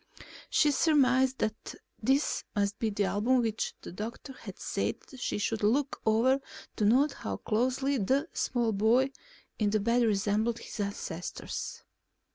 She surmised that this must be the album which the doctor had said she should look over to note how closely the small boy in the bed resembled his ancestors.